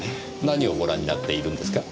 何をご覧になっているんですか？